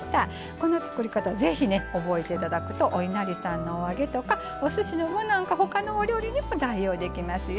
この作り方ぜひ覚えていただくとおいなりさんのお揚げとかおすしの具とかほかのお料理にも代用できますよ。